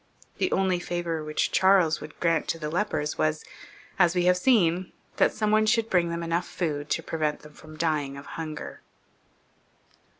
The only favour which Charles would grant to the lepers was, as we have seen, that some one should bring them enough food to prevent them from dying of hunger.